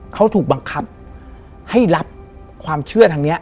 เขาถูกบังคับให้รับความเชื่อทางนี้